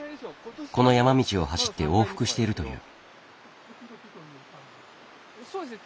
この山道を走って往復しているという。